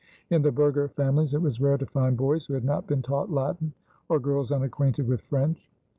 In the burgher families it was rare to find boys who had not been taught Latin or girls unacquainted with French."